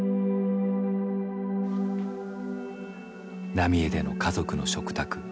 浪江での家族の食卓。